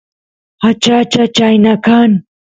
achacha chayna kan